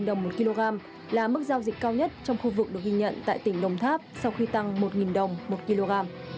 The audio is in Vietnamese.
năm mươi năm đồng một kg là mức giao dịch cao nhất trong khu vực được ghi nhận tại tỉnh đồng tháp sau khi tăng một đồng một kg